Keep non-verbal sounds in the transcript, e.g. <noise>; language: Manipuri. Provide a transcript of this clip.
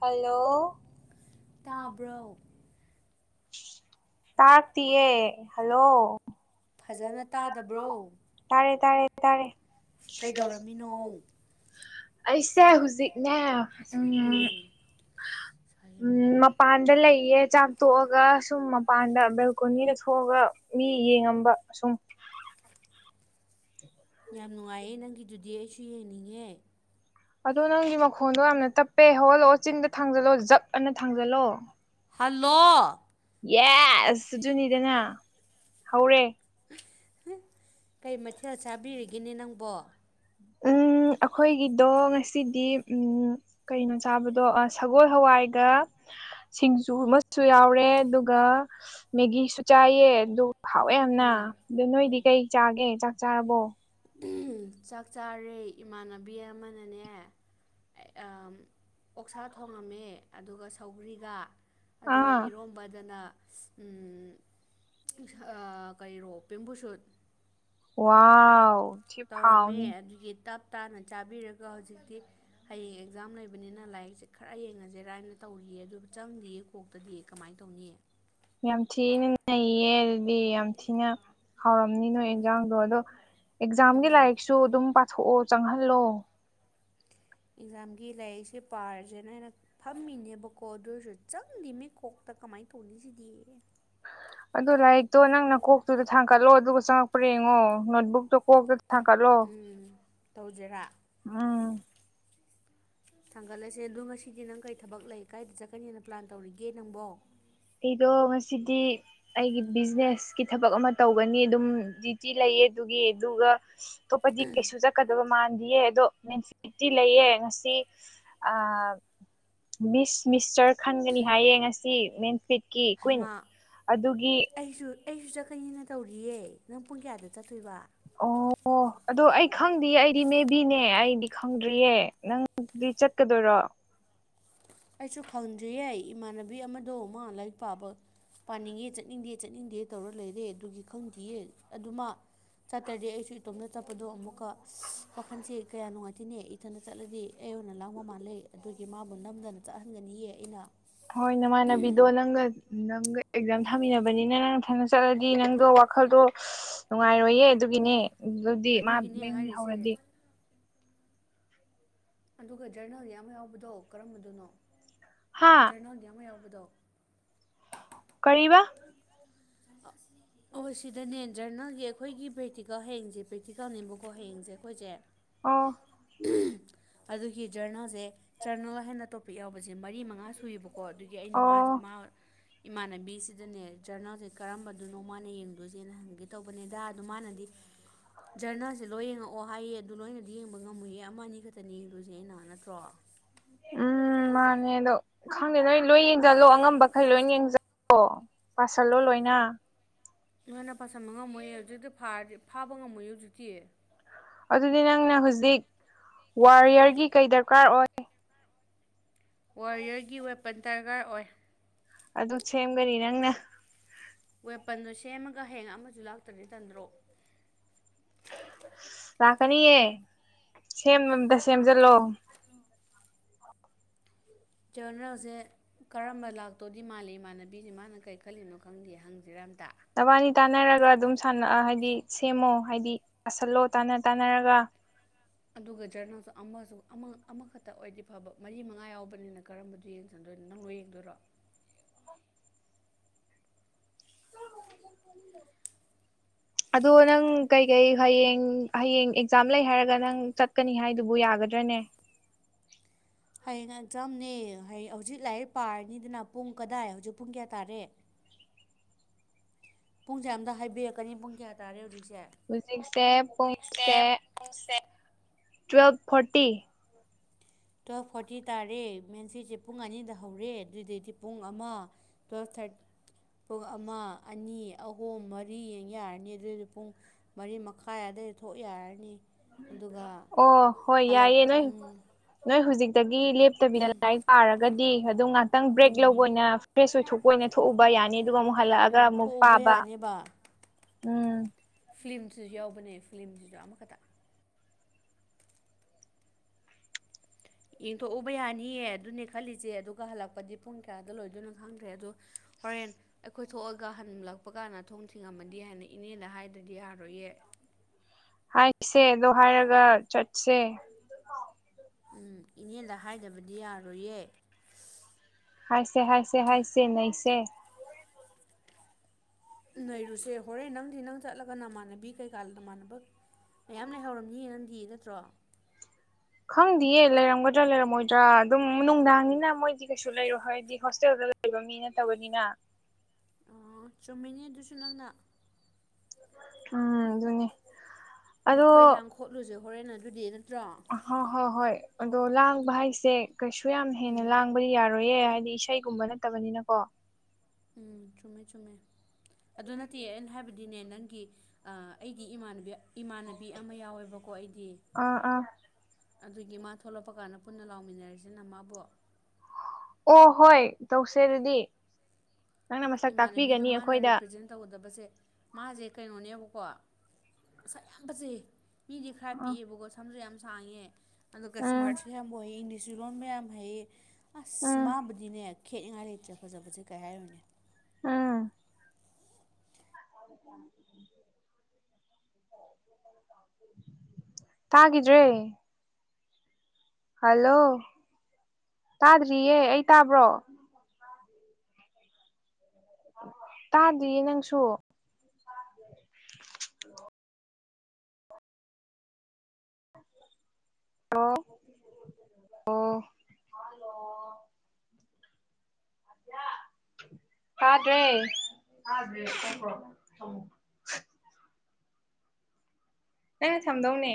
ꯍꯜꯂꯣ ꯇꯥꯕ꯭ꯔꯣ ꯇꯥꯥꯛꯇꯦꯌꯦ ꯍꯜꯂꯣ ꯐꯖꯅ ꯇꯥꯗꯕ꯭ꯔꯣ ꯇꯥꯔꯦ ꯇꯥꯔꯦ ꯇꯥꯔꯦ ꯀꯩꯗꯧꯔꯝꯃꯤꯅꯣ ꯑꯩꯁꯦ ꯍꯧꯖꯤꯛꯅꯦ ꯎꯝ ꯁꯥꯏꯦꯝꯔꯣꯛ ꯎꯝ <inaudible> ꯃꯄꯥꯟꯗ ꯂꯩꯌꯦ ꯆꯥꯛ ꯇꯣꯛꯑꯒ ꯁꯨꯝ ꯃꯄꯥꯟꯗ ꯕꯦꯜꯀꯣꯅꯤꯗ ꯊꯣꯛꯑꯒ ꯃꯤ ꯌꯦꯡꯉꯝꯕ ꯁꯨꯝ ꯌꯥꯝ ꯅꯨꯡꯉꯥꯏꯌꯦ ꯅꯪꯒꯤꯗꯨꯗꯤ ꯑꯩꯁꯨ ꯌꯦꯡꯅꯤꯡꯉꯦ ꯑꯗꯣ ꯅꯪꯒꯤ ꯃꯈꯣꯟꯗꯣ ꯌꯥꯝꯅ ꯇꯞꯄꯦ ꯍꯧꯍꯜꯂꯛꯑꯣ ꯆꯤꯡꯗ ꯊꯥꯡꯖꯜꯂꯣ ꯖꯛ ꯑꯅ ꯊꯥꯡꯖꯜꯂꯣ ꯍꯜꯂꯣ ꯌꯦꯁꯖ ꯑꯗꯨꯅꯤꯗꯅ ꯍꯧꯔꯦ ꯀꯩ ꯃꯊꯦꯜ ꯆꯥꯕꯤꯔꯤꯒꯦꯅ‌ꯦ ꯅꯪꯕꯣ ꯎꯪ ꯑꯩꯈꯣꯏꯒꯤꯗꯣ ꯉꯁꯤꯗꯤ ꯎꯝ ꯀꯩꯅꯣ ꯆꯥꯕꯗꯣ ꯑ ꯁꯒꯣꯜ ꯍꯋꯥꯏꯒ ꯁꯤꯡꯖꯨ ꯑꯃꯁꯨ ꯌꯥꯎꯔꯦ ꯑꯗꯨꯒ ꯃꯦꯒꯤꯁꯨ ꯆꯥꯏꯌꯦ ꯑꯗꯨ ꯍꯥꯎꯋꯦ ꯌꯥꯝꯅ ꯎꯝ ꯑꯗꯨ ꯅꯣꯏꯗꯤ ꯀꯩ ꯆꯥꯒꯦ ꯆꯥꯛ ꯆꯥꯔꯕꯣ ꯆꯥꯛ ꯆꯥꯔꯦ ꯏꯃꯥꯟꯅꯕꯤ ꯑꯃꯅꯅꯦ ꯑꯣꯛꯁꯥ ꯊꯣꯡꯉꯝꯃꯦ ꯑꯗꯨꯒ ꯁꯧꯒ꯭ꯔꯤꯒ ꯑꯗꯨꯒ ꯑꯥ ꯏꯔꯣꯝꯕꯗꯅ ꯀꯩꯔꯣ ꯄꯦꯝꯕꯨ ꯁꯨꯠ ꯋꯥꯎ ꯊꯤ ꯇꯧꯔꯝꯃꯦ ꯍꯥꯎꯅꯤ ꯑꯗꯨꯒꯤ ꯇꯞ ꯇꯥꯅ ꯆꯥꯕꯤꯔꯒ ꯍꯧꯖꯤꯛꯇꯤ ꯍꯌꯦꯡ ꯑꯦꯛꯖꯥꯝ ꯂꯩꯕꯅꯤꯅ ꯂꯥꯏꯔꯤꯛꯁꯦ ꯈꯔ ꯌꯦꯡꯉꯁꯦꯔꯅ ꯇꯧꯔꯤꯌꯦ ꯑꯗꯨꯕꯨ ꯆꯪꯗꯤꯌꯦ ꯀꯣꯛꯇꯗꯤ ꯀꯃꯥꯏꯟ ꯇꯧꯅꯤ ꯌꯥꯝ ꯊꯤꯅ ꯅꯩꯌꯦ ꯑꯗꯨꯗꯤ ꯌꯥꯝ ꯊꯤꯅ ꯍꯥꯎꯔꯝꯅꯤ ꯅꯣꯏ ꯑꯦꯟꯖꯥꯡꯗꯣ ꯑꯗꯣ ꯑꯦꯛꯖꯥꯝꯒꯤ ꯎꯝ ꯂꯥꯏꯔꯤꯛꯁꯨ ꯑꯗꯨꯝ ꯄꯥꯊꯣꯛꯑꯣ ꯆꯪꯍꯜꯂꯣ ꯑꯦꯛꯖꯥꯝꯒꯤ ꯂꯥꯏꯔꯤꯛꯁꯦ ꯄꯥꯔꯖ‌ꯦꯅ ꯑꯩꯅ ꯐꯝꯃꯤꯅꯦꯕ ꯀ‌ꯣ ꯑꯗꯨꯏꯁꯨ ꯆꯪꯗꯦꯃ‌ꯦ ꯀꯣꯛꯇ ꯀꯃꯥꯏꯟ ꯇꯧꯅꯤ ꯁꯤꯗꯤ ꯑꯗꯣ ꯂꯥꯏꯔꯤꯛꯇꯣ ꯅꯪ ꯀꯣꯛꯇꯨꯗ ꯊꯥꯡꯒꯠꯂꯣ ꯑꯗꯨꯒ ꯆꯪꯉꯛꯄ꯭ꯔꯥ ꯌꯦꯡꯉꯣ ꯅꯣꯠꯕꯨꯛꯇꯣ ꯀꯣꯛꯇ ꯊꯥꯡꯀꯠꯂꯣ ꯎꯝ ꯇꯧꯖꯦꯔꯥ ꯎꯝ ꯊꯥꯡꯒꯠꯂꯁꯦ ꯑꯗꯣ ꯉꯁꯤꯗꯤ ꯅꯪ ꯀꯩ ꯊꯕꯛ ꯂꯩ ꯀꯥꯏꯗ ꯆꯠꯀꯅꯤꯅ ꯄ꯭ꯂꯥꯟ ꯇꯧꯔꯤꯒꯦ ꯅꯪꯕꯣ ꯑꯩꯗꯣ ꯉꯁꯤꯗꯤ ꯑꯩꯒꯤ ꯕꯤꯖꯤꯅꯦꯁꯀꯤ ꯊꯕꯛ ꯑꯃ ꯇꯧꯒꯅꯤ ꯑꯗꯨꯝ ꯗꯤ ꯇꯤ ꯂꯩꯌ‌ꯦ ꯑꯗꯨꯒꯤ ꯑꯗꯨꯒ ꯑꯇꯣꯞꯄꯗꯤ ꯀꯩꯁꯨ ꯆꯠ ꯀꯗ‌ꯣꯕ ꯃꯥꯟꯗꯤꯌꯦ ꯑꯗꯣ ꯃꯦꯟꯐꯤꯠꯇꯤ ꯂꯩꯌꯦ ꯉꯁꯤ ꯑ ꯃꯤꯁ ꯃꯤꯁꯇꯔ ꯈꯟꯒꯅꯤ ꯍꯥꯏꯌꯦ ꯉꯁꯤ ꯃ‌ꯦꯟ ꯍꯩꯃꯥ ꯑꯩꯖꯨ ꯑꯩꯁꯨ ꯆꯠꯀꯅꯤꯅ ꯇꯧꯔꯤꯌꯦ ꯅꯪ ꯄꯨꯡ ꯀꯌꯥꯗ ꯆꯠꯇꯣꯏꯕ ꯑꯣ ꯑꯗꯣ ꯑꯩ ꯈꯪꯗꯤꯌ‌ꯦ ꯑꯩꯗꯤ ꯃꯦꯕꯤꯅꯦ ꯑꯩꯗꯤ ꯈꯪꯗ꯭ꯔꯤꯌꯦ ꯅꯪꯗꯤ ꯆꯠꯀꯗꯣꯏꯔꯣ ꯑꯩꯁꯨ ꯈꯪꯗ꯭ꯔꯤꯌꯦ ꯏꯃꯥꯟꯅꯕꯤ ꯑꯃꯗꯣ ꯃꯥ ꯂꯥꯏꯔꯤꯛ ꯄꯥꯕ ꯄꯥꯅꯤꯡꯉꯦ ꯆꯠꯅꯤꯡꯗꯦ ꯆꯠꯅꯤꯡꯗꯦ ꯇꯧꯔ ꯂꯩꯔꯦ ꯑꯗꯨꯒꯤ ꯈꯪꯗꯤꯌꯦ ꯑꯗꯨ ꯃꯥ ꯆꯠꯇ꯭ꯔꯗꯤ ꯑꯩꯁꯨ ꯏꯇꯣꯝꯇ ꯆꯠꯄꯗꯣ ꯑꯃꯨꯛꯀ ꯋꯥꯈꯟꯁꯦ ꯀꯌꯥ ꯅꯨꯡꯉꯥꯏꯇ‌ꯦꯅꯦ ꯏꯊꯟꯗ ꯆꯠꯂꯗꯤ ꯑꯩ ꯑꯣꯏꯅ ꯂꯥꯡꯕ ꯃꯥꯜꯂ‌ꯦ ꯑꯗꯨꯒꯤ ꯃꯥꯕꯨ ꯅꯝꯗꯅ ꯆꯠꯍꯟꯒꯅꯤꯌꯦ ꯑꯩꯅ ꯍꯣꯏ ꯅꯃꯥꯟꯅꯕꯤꯗꯣ ꯅꯪꯒ ꯅꯪꯒ ꯑꯦꯛꯖꯥꯝ ꯊꯝꯃꯤꯟꯅꯕꯅꯤꯅ ꯅꯪ ꯊꯟꯗ ꯆꯠꯂꯗꯤ ꯅꯪꯗꯣ ꯋꯥꯈꯜꯗꯣ ꯅꯨꯡꯉꯥꯏꯔꯣꯏꯌꯦ ꯑꯗꯨꯒꯤꯅꯦ ꯑꯗꯨꯗꯤ ꯃꯥ ꯑꯗꯨꯒꯤꯅꯦ ꯃꯌꯨꯝ ꯍꯥꯏꯔꯤꯁꯦ ꯂꯩꯍꯧꯔꯗꯤ ꯑꯗꯨꯒ ꯖꯔꯅꯦꯜꯒꯤ ꯑꯃ ꯌꯥꯎꯕꯗꯣ ꯀꯔꯝꯕꯗꯅꯣ ꯍꯥ ꯖꯔꯅꯦꯜꯒꯤ ꯑꯃ ꯌꯥꯎꯕꯗꯣ ꯀꯔꯤꯕ ꯑꯣ ꯁꯤꯗꯅꯦ ꯖꯔꯅ‌ꯦꯜꯒꯤ ꯑꯩꯈꯣꯏꯒꯤ ꯄ꯭ꯔꯦꯛꯇꯤꯀꯜ ꯍꯌꯦꯡꯁꯦ ꯄ꯭ꯔꯦꯛꯇꯤꯀꯜꯅꯦꯕꯀꯣ ꯍꯌꯦꯡꯁꯦ ꯑꯩꯈꯣꯏꯁꯦ ꯑꯣ ꯑꯗꯨꯒꯤ ꯖꯔꯅꯦꯜꯁꯦ ꯖꯔꯅꯦꯜ ꯍꯥꯏꯅ ꯇꯣꯞ ꯌꯥꯎꯕꯖ‌ꯦ ꯃꯔꯤ ꯃꯉꯥ ꯁꯨꯏꯕꯀꯣ ꯑꯗꯨꯒꯤ ꯑꯩꯅ ꯃꯥ ꯑꯣ ꯃꯥ ꯏꯃꯥꯟꯅꯕꯤꯁꯤꯗꯅꯦ ꯖꯔꯅꯦꯜꯁꯦ ꯀꯔꯝꯕꯗꯨꯅꯣ ꯃꯥꯅ ꯌꯦꯡꯗꯣꯏꯖ‌ꯦꯅ ꯍꯪꯒꯦ ꯇꯧꯕꯅꯦꯗ ꯑꯗꯨ ꯃꯥꯅꯗꯤ ꯖꯔꯅꯦꯜꯁꯦ ꯂꯣꯏ ꯌꯦꯡꯉꯛꯑꯣ ꯍꯥꯏꯌꯦ ꯑꯗꯨ ꯂꯣꯏꯅꯗꯤ ꯌꯦꯡꯕ ꯉꯝꯃ‌ꯣꯌꯦ ꯑꯃ ꯑꯅꯤ ꯈꯛꯇꯅꯤ ꯌꯦꯡꯗꯣꯏꯖ‌ꯦ ꯑꯩꯅ ꯅꯠꯇ꯭ꯔꯣ ꯎꯝ ꯃꯥꯅꯦ ꯑꯗꯣ ꯈꯪꯗꯦ ꯅꯣꯏ ꯂꯣꯏ ꯌꯦꯡꯖꯜꯂꯣ ꯑꯉꯝꯕꯈꯩ ꯂꯣꯏ ꯌꯦꯡꯖꯜ <unintelligible> ꯄꯥꯁꯜꯂꯣ ꯂꯣꯏꯅ ꯅꯣꯏꯅ ꯄꯥꯁꯟꯕ ꯉꯝꯃꯣꯏꯌꯦ ꯍꯧꯖꯤꯛꯇꯤ ꯐꯥꯔꯗꯤ ꯐꯥꯕ ꯉꯝꯃꯣꯏꯌ‌ꯦ ꯍꯧꯖꯤꯛꯇꯤ ꯑꯗꯨꯗꯤ ꯅꯪꯅ ꯍꯧꯖꯤꯛ ꯋꯥꯔꯤꯌꯔꯒꯤ ꯀꯩ ꯗꯔꯀꯥꯔ ꯑꯣꯏ ꯋꯥꯔꯤꯌꯔꯒꯤ ꯋꯦꯄꯟ ꯗꯔꯀꯥꯔ ꯑꯣꯏ ꯑꯗꯨ ꯁꯦꯝꯒꯅꯤ ꯅꯪꯅ ꯋꯦꯄꯟꯗꯣ ꯁꯦꯝꯃꯒ ꯍꯦꯡ ꯑꯃꯁꯨ ꯂꯥꯛꯇ꯭ꯔꯅꯤ ꯇꯟꯗ꯭ꯔꯣ ꯂꯥꯛꯀꯅꯤꯌꯦ ꯁꯦꯝ ꯑꯇ ꯁꯦꯝꯖꯜꯂꯣ ꯔꯅꯦꯜꯁꯦ ꯀꯔꯝꯕ ꯂꯥꯛꯇꯧꯗꯤ ꯃꯥꯜꯂꯤ ꯏꯃꯥꯟꯅꯕꯤꯁ ꯃꯥꯅ ꯀꯔꯤ ꯈꯜꯂꯤꯅꯣ ꯈꯪꯗꯦ ꯍꯪꯗꯔꯥꯝꯇ ꯅꯕꯥꯅꯤ ꯇꯥꯟꯅꯔꯒ ꯑꯗꯨꯝ ꯁꯥꯟꯅ ꯍꯥꯏꯗꯤ ꯁꯦꯝꯃꯣ ꯍꯥꯏꯗꯤ ꯑꯁꯜꯂꯣ ꯇꯥꯟꯅ ꯇꯥꯟꯅꯔꯒ ꯑꯗꯨꯒ ꯖꯔꯅꯦꯜꯁꯨ ꯑꯃꯁꯨ ꯑꯃ ꯑꯃꯈꯛꯇ ꯑꯣꯏꯗꯤ ꯐꯕ ꯃꯔꯤ ꯃꯉꯥ ꯌꯥꯎꯕꯅꯤꯅ ꯀꯔꯝꯕꯗꯨ ꯌꯦꯡ ꯁꯟꯗꯣꯏꯟ‌ ꯅꯪ ꯂ‌ꯣꯏ ꯌꯦꯡꯗꯣꯏꯔꯣ <unintelligible> <unintelligible> ꯑꯗꯣ ꯅꯪ ꯀꯩꯀꯩ ꯍꯌꯦꯡ ꯍꯌꯦꯡ ꯑꯦꯛꯖꯥꯝ ꯂꯩ ꯍꯥꯏꯔꯒ ꯅꯪ ꯆꯠꯀꯅꯤ ꯍꯥꯏꯗꯨꯕꯨ ꯌꯥꯒꯗ꯭ꯔꯅꯦ ꯍꯌꯦꯡ ꯑꯦꯛꯖꯝꯅꯦ ꯍꯌ ꯍꯧꯖꯤꯛ ꯂꯥꯏꯔꯤꯛ ꯄꯥꯔꯅꯤꯗꯅ ꯄꯨꯡ ꯀꯗꯥꯏ ꯍꯧꯖꯤꯛ ꯄꯨꯡ ꯀꯌꯥ ꯇꯥꯔꯦ ꯄꯨꯡꯁꯦ ꯑꯝꯇ ꯍꯥꯏꯕꯤꯔꯛꯀꯅꯤ ꯄꯨꯡ ꯀꯌꯥ ꯇꯥꯔꯦ ꯍꯧꯖꯤꯛꯁꯦ ꯍꯨꯖꯤꯛꯁꯦ ꯄꯨꯡꯁꯦ ꯎꯁꯦ ꯇꯨꯌꯦꯦꯜꯞ ꯐꯣꯔꯇꯤ ꯇꯨꯌꯦꯜꯞ ꯐꯣꯔꯇꯤ ꯇꯥꯔꯦ ꯃꯦꯟꯁꯤꯁꯦ ꯄꯨꯡ ꯑꯅꯤꯗ ꯍꯧꯔꯦ ꯑꯗꯨꯏꯗꯩꯗꯤ ꯄꯨꯡ ꯑꯃ ꯇ꯭ꯋꯦꯜꯞ ꯊꯥꯔꯇꯤ ꯄꯨꯡ ꯑꯃ ꯑꯅꯤ ꯑꯍꯨꯝ ꯃꯔꯤꯡ ꯌꯥꯔꯅꯤ ꯑꯗꯨꯏꯗꯤ ꯄꯨꯡ ꯃꯔꯤ ꯃꯈꯥꯏ ꯑꯏꯗ ꯊꯣꯛ ꯌꯥꯔꯅꯤ ꯑꯗꯨꯒ ꯑꯣ ꯍꯣꯏ ꯍꯜꯂꯛ ꯌꯥꯏꯌꯦꯦ ꯅꯣꯏ ꯎꯝ ꯅꯣꯏ ꯍꯧꯖꯤꯛꯇꯒꯤ ꯂꯦꯞꯇꯕꯤꯅ ꯂꯥꯏꯔꯤꯛ ꯄꯥꯔꯒꯗꯤ ꯑꯗꯨꯝ ꯉꯥꯏꯍꯥꯛꯇꯪ ꯕ꯭ꯔꯦꯛ ꯂꯧꯕ ꯑꯣꯏꯅ ꯐ꯭ꯔꯦꯁ ꯑꯣꯏꯊꯣꯛꯄ ꯑꯣꯏꯅ ꯊꯣꯛꯎꯕ ꯌꯥꯅꯤ ꯑꯗꯨꯒ ꯑꯃꯨꯛ ꯍꯜꯂꯛꯑꯒ ꯎꯝ ꯑꯃꯨꯛ ꯊꯣꯛꯎꯕ ꯄꯥꯕ ꯌꯥꯅꯦꯕ ꯎꯝ ꯐꯤꯂꯝꯁꯤꯁꯨ ꯌꯥꯎꯕꯅꯦ ꯐꯤꯂꯝꯁꯤꯗ ꯑꯃꯈꯛꯇ ꯌꯦꯡꯊꯣꯛꯎꯕ ꯌꯥꯅꯤꯌꯦ ꯑꯗꯨꯅꯦ ꯈꯜꯂꯤꯁꯦ ꯑꯗꯨꯒ ꯍꯜꯂꯛꯄꯗꯤ ꯄꯨꯡ ꯀꯌꯥꯗ ꯂꯣꯏꯗꯣꯏꯅꯣ ꯈꯪꯗ꯭ꯔꯦ ꯑꯗꯣ ꯍꯣꯔꯦꯟ ꯑꯩꯈꯣꯏ ꯊꯣꯛꯑꯒ ꯍꯟꯂꯛꯄ ꯀꯥꯟꯗ ꯊꯣꯡ ꯊꯤꯡꯉꯝꯃꯗꯤ ꯍꯥꯏꯅ ꯏꯅꯦꯗ ꯍꯥꯏꯗꯗꯤ ꯌꯥꯔꯣꯏꯌꯦ ꯍꯥꯏꯁꯦꯗꯣ ꯍꯥꯏꯔꯒ ꯆꯠꯁꯦ ꯎꯝ ꯏꯅꯦꯗ ꯍꯥꯏꯗꯕꯗꯤ ꯌꯥꯔꯣꯏꯌꯦ ꯍꯥꯏꯥꯏꯁꯦ ꯍꯥꯏꯁꯦ ꯍꯥꯏꯁꯦ ꯅꯁꯦ ꯅꯩꯔꯨꯁꯦ ꯍꯣꯔꯦꯟ ꯅꯪꯗꯤ ꯅꯪ ꯆꯠꯂꯒ ꯅꯃꯥꯟꯅꯕꯤ ꯀꯩꯀꯥ ꯅꯃꯥꯟꯅꯕ ꯃꯌꯥꯝ ꯂꯩꯍꯧꯔꯝꯅꯤ ꯌꯦꯡꯉꯝꯗꯤ ꯅꯠꯇ꯭ꯔꯣ ꯈꯪꯗꯌꯦ ꯂꯩꯔꯝꯒꯗ꯭ꯔꯥ ꯂꯩꯔꯝꯃꯣꯏꯗ꯭ꯔꯥ ꯑꯗꯨꯝ ꯅꯨꯡꯗꯥꯡꯅꯤꯅ ꯃꯣꯏꯗꯤ ꯀꯩꯁꯨ ꯂꯩꯔꯣ ꯍꯥꯏ ꯍꯣꯁꯇꯦꯜꯗ ꯂꯩꯕ ꯃꯤ ꯅꯠꯇꯕꯅꯤꯅ ꯆꯨꯝꯃꯤꯅꯦ ꯑꯗꯨꯁꯨ ꯅꯪꯅ ꯎꯝ ꯑꯗꯨꯅꯤ ꯑꯩꯈꯣꯏ ꯂꯪꯈꯣꯠꯂꯨꯁꯦ ꯍꯣꯔꯦꯟ ꯑꯗꯨꯗꯤ ꯅꯠꯇ꯭ꯔꯣ ꯍꯣꯏ ꯍꯣꯏ ꯍꯣꯏ ꯑꯗꯣ ꯂꯥꯡꯕ ꯍꯥꯏꯁꯦ ꯀꯩꯁꯨ ꯌꯥꯝ ꯍꯦꯟꯅ ꯎꯝ ꯂꯥꯡꯕ ꯕꯨꯗꯤ ꯌꯥꯔꯣꯏꯌꯦ ꯍꯥꯏꯗꯤ ꯏꯁꯩꯒꯨꯝꯕ ꯅꯠꯇꯕꯅꯤꯅꯀꯣ ꯎꯝ ꯆꯨꯝꯃꯦ ꯆꯨꯝꯃꯦ ꯑꯗꯨ ꯅꯠꯇꯦ ꯑꯩꯅ ꯍꯥꯏꯕ ꯍꯥꯏꯕꯗꯤꯅꯦ ꯅꯪꯒꯤ ꯑꯩꯒꯤ ꯏꯃꯥꯟ ꯏꯃꯥꯟꯅꯕꯤ ꯑꯃ ꯌꯥꯎꯋꯦꯕꯀꯣ ꯑꯩꯗꯤ ꯑꯥ ꯑꯥ ꯑꯗꯨꯒꯤ ꯃꯥ ꯊꯣꯛꯂꯛꯄ ꯀꯥꯟꯗ ꯄꯨꯟꯅ ꯂꯥꯎꯃꯤꯟꯅꯔꯤꯁꯤꯅ ꯃꯥꯕꯨ ꯑꯣ ꯍꯣꯏ ꯇꯧꯁꯦ ꯑꯗꯨꯗꯤ ꯅꯪꯅ ꯃꯁꯛ ꯏꯃꯥꯟꯅꯕꯤꯗꯣ ꯇꯥꯛꯄꯤꯒꯅꯤ ꯃꯥꯅ ꯑꯩꯈꯣꯏꯗ ꯔꯤꯄ꯭ꯔꯖꯦꯟ ꯇꯧꯒꯗꯕꯁꯦ ꯃꯥꯁꯦ ꯀꯩꯅꯣꯅꯦꯕꯀꯣ ꯉꯁꯥ ꯌꯥꯝ ꯐꯖꯩ ꯃꯤꯗꯤ ꯈꯔ ꯑ ꯄꯤꯛꯑꯦꯕꯀꯣ ꯁꯝꯁꯨ ꯌꯥꯝ ꯁꯥꯡꯉꯦ ꯑꯗꯨꯒ ꯎꯝ ꯁ꯭ꯃꯥꯔꯠꯁꯨ ꯌꯥꯝ ꯑꯣꯏꯌꯦ ꯏꯪꯂꯤꯁ ꯏꯁꯤꯔꯣꯟ ꯃꯌꯥꯝ ꯍꯩꯌꯦ ꯑꯁ ꯎꯝ ꯃꯥꯕꯨꯗꯤꯅꯦ ꯈꯦꯠꯅꯤꯡꯉꯥꯏ ꯂꯩꯇ꯭ꯔꯦ ꯐꯖꯕꯁꯦ ꯀꯩ ꯍꯥꯏꯔꯨꯅꯦ ꯑꯥ <unintelligible> ꯇꯥꯒꯗ꯭ꯔꯦ ꯍꯜꯂꯣ ꯇꯥꯗ꯭ꯔꯤꯌꯦ ꯑꯩ ꯇꯥꯕ꯭ꯔꯣ ꯇꯥꯗꯤꯌꯦ ꯅꯪꯁꯨ ꯑꯣ ꯑꯣ ꯐꯥꯗ꯭ꯔꯦ ꯅꯪꯅ ꯊꯝꯗꯧꯅꯦ